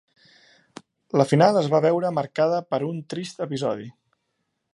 La final es va veure marcada per un trist episodi.